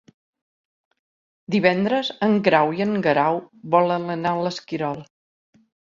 Divendres en Grau i en Guerau volen anar a l'Esquirol.